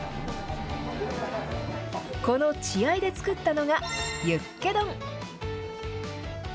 この血合いで作ったのが、ユッケ丼。